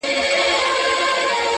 ښوونځی اکاډیمی پوهنتونونه،